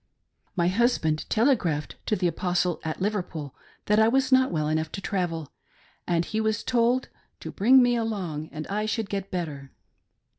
My husband telegraphed to the Apostle at Liverpool that I was not well enough to travel, and he was told to "bring me along, and I should get better."